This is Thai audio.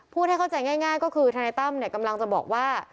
ให้เข้าใจง่ายก็คือธนายตั้มกำลังจะบอกว่า